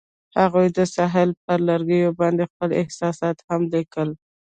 هغوی د ساحل پر لرګي باندې خپل احساسات هم لیکل.